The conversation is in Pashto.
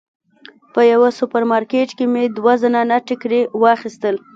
په یوه سوپر مارکیټ کې مې دوه زنانه ټیکري واخیستل.